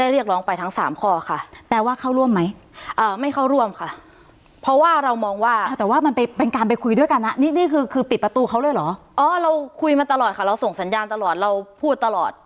เราส่งสัญญาณตลอดเราพูดตลอด